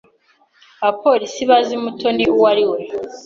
Abapolisi bazi Mutoni uwo ari we.